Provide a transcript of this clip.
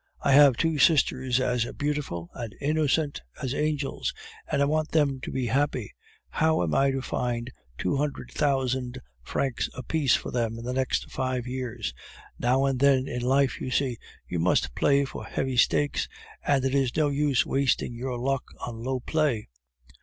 I have two sisters as beautiful and innocent as angels, and I want them to be happy. How am I to find two hundred thousand francs apiece for them in the next five years? Now and then in life, you see, you must play for heavy stakes, and it is no use wasting your luck on low play."